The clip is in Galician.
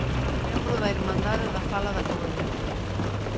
Membro da Irmandade da Fala da Coruña.